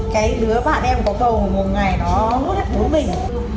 cái đứa bạn em có bầu một ngày nó hút hết bố mình